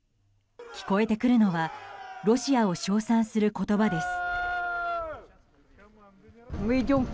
聞こえてくるのはロシアを称賛する言葉です。